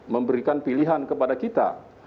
memberikan pilihan kepada kita